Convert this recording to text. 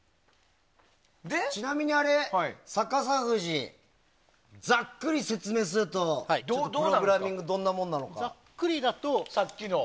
ちなみに、逆さ富士ざっくり説明するとプログラミングはどんなものなのか。